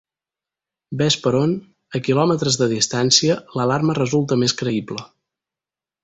Ves per on, a quilòmetres de distància, l'alarma resulta més creïble.